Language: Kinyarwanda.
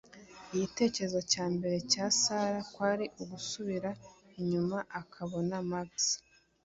igitekerezo cya mbere cya Sara kwari ugusubira inyuma ukabona Max